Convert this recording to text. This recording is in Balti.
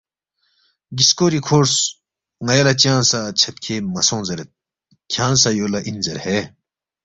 گِسکوری کھورس، ن٘یا لہ چنگ سہ چھدکھے مہ سونگ زیرید، کھیانگ سہ یو لہ اِن زیر ہے